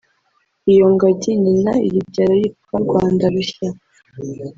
iyo ngagi nyina iyibyara yitwa Rwanda rushya